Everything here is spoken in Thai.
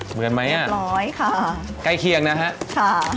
เหมือนไหมน่ะใกล้เคียงนะฮะค่ะเรียบร้อยค่ะ